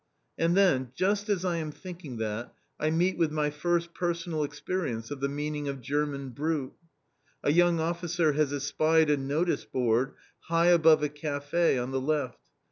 And then, just as I am thinking that, I meet with my first personal experience of the meaning of "German brute." A young officer has espied a notice board, high above a café on the left.